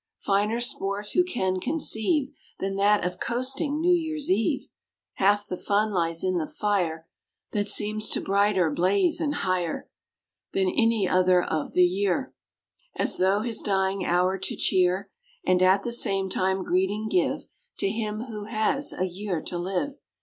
Finer sport who can conceive Than that of coasting New Year's Eve? Half the fun lies in the fire That seems to brighter blaze and higher Than any other of the year, As though his dying hour to cheer, And at the same time greeting give To him who has a year to live.